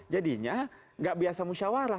jadinya nggak biasa musyawarah